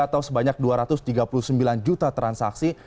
atau sebanyak dua ratus tiga puluh sembilan juta transaksi